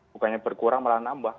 bukannya berkurang malah nambah